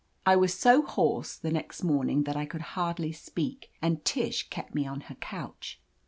I was so hoarse the next morning that I could hardly speak, and Tish kept me on her couch.